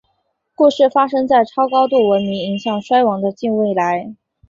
故事发生在超高度文明迎向衰亡的近未来。